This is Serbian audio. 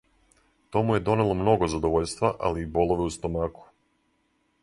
То му је донело много задовољства, али и болове у стомаку.